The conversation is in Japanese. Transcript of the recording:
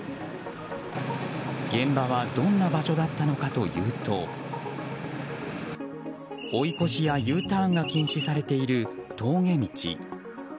現場はどんな場所だったのかというと追い越しやＵターンが禁止されている峠道。